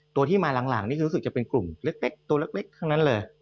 ตัวที่มาหลังนี่คือรู้สึกจะเป็นกลุ่มเล็กตัวเล็กทั้งนั้นเลย